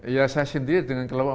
ya saya sendiri dengan kelemahan